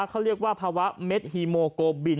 เขาเรียกว่าภาวะเม็ดฮีโมโกบิน